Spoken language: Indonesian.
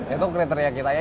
itu kriteria kita ya